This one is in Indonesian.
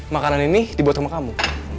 makanan ini dibuat sama kamu